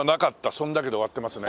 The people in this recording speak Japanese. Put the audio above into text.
それだけで終わってますね。